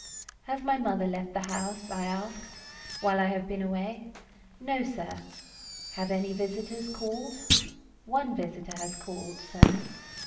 "Has my mother left the house," I asked, "while I have been away?" "No, sir." "Have any visitors called?" "One visitor has called, sir."